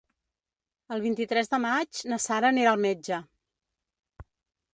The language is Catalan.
El vint-i-tres de maig na Sara anirà al metge.